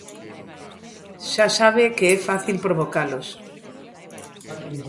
Xa sabe que é fácil provocalos.